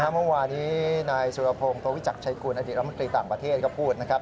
เมื่อวานี้นายสุรพงศ์โตวิจักรชัยกุลอดีตรัฐมนตรีต่างประเทศก็พูดนะครับ